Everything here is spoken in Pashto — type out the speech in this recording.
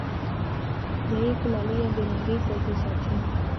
خدايږو لالیه بې ننګۍ ته دي ساتينه